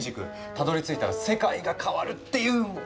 たどりついたら世界が変わるっていう。